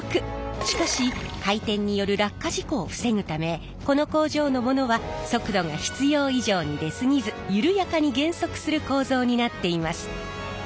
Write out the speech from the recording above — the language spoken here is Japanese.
しかし回転による落下事故を防ぐためこの工場のものは速度が必要以上に出過ぎず緩やかに減速する構造になっています。